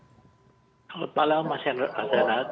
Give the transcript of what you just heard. selamat malam pak renhat